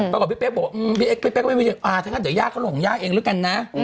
ประกอบพี่เป๊กบอกอืมพี่เป๊กก็ไม่มีอ่าเดี๋ยวยากเขาลงยากเองแล้วกันนะ